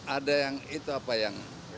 ada yang itu apa yang